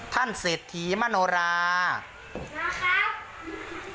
ท่านเศษฐีมโณรามาครับ